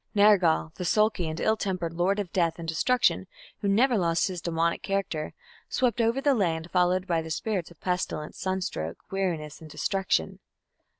Nergal, the sulky and ill tempered lord of death and destruction, who never lost his demoniac character, swept over the land, followed by the spirits of pestilence, sunstroke, weariness, and destruction.